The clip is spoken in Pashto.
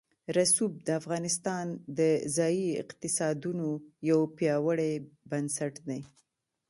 رسوب د افغانستان د ځایي اقتصادونو یو پیاوړی بنسټ دی.